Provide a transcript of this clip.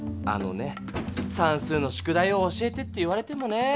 あのねさんすうの宿題を教えてって言われてもね。